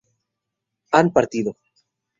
han partido